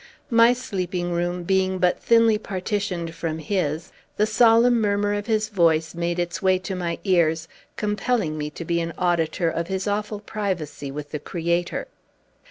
My sleeping room being but thinly partitioned from his, the solemn murmur of his voice made its way to my ears, compelling me to be an auditor of his awful privacy with the Creator.